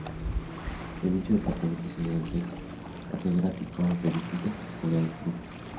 De dicho departamento salieron seis Catedráticos de distintas especialidades quirúrgicas.